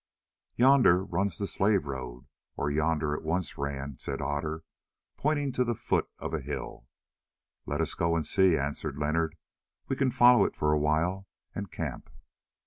"Yonder runs the slave road, or yonder it once ran," said Otter, pointing to the foot of a hill. "Let us go and see," answered Leonard; "we can follow it for a while and camp."